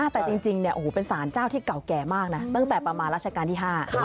แต่จริงเป็นสารเจ้าที่เก่าแก่มากนะตั้งแต่ประมาณราชการที่๕